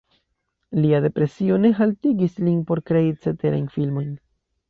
Lia depresio ne haltigis lin por krei ceterajn filmojn.